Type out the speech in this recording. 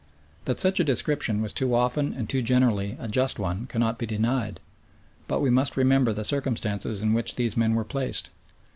That such a description was too often and too generally a just one cannot be denied, but we must remember the circumstances in which these men were placed.